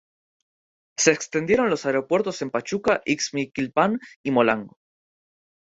Se extendieron los aeropuertos en Pachuca, Ixmiquilpan y Molango.